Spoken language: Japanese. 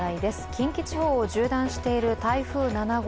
近畿地方を縦断している台風７号